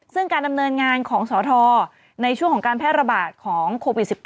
ซึ่งการดำเนินงานของสอทรในช่วงของการแพร่ระบาดของโควิด๑๙